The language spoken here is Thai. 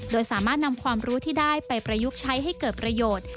โดยสามารถนำความรู้ที่ได้ไปประยุกต์ใช้ให้เกิดประโยชน์